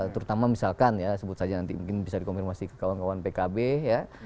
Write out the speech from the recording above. terutama misalkan ya sebut saja nanti mungkin bisa dikonfirmasi ke kawan kawan pkb ya